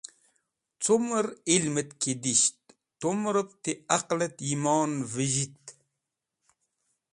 Cumẽr ilmẽt ki disht tumrẽb ti aqlẽt yimon vẽzhit.